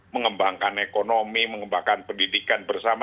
mengembangkan ekonomi mengembangkan pendidikan bersama